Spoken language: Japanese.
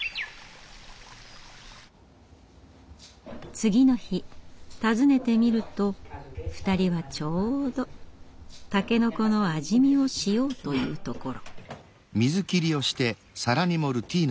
次の日訪ねてみると２人はちょうどタケノコの味見をしようというところ。